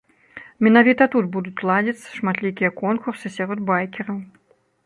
Менавіта тут будуць ладзіцца шматлікія конкурсы сярод байкераў.